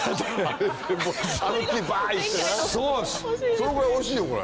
そのぐらいおいしいよこれ。